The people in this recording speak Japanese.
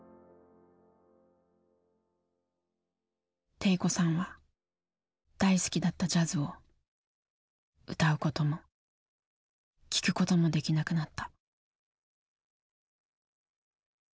悌子さんは大好きだったジャズを歌うことも聴くこともできなくなった。